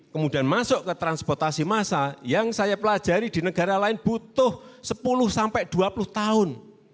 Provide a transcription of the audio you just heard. kemudian masuk ke transportasi massa yang saya pelajari di negara lain butuh sepuluh sampai dua puluh tahun